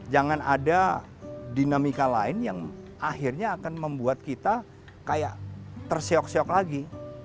jangan ada dinamika lain yang akhirnya akan membuat kita kayak tersiok siok lagi